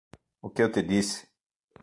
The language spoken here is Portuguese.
O que eu te disse?